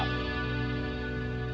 kita lupakan semua kegiatan